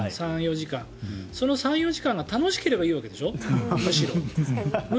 ３４時間その３４時間が楽しければいいわけでしょ、むしろ。